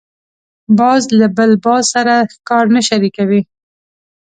باز له بل باز سره ښکار نه شریکوي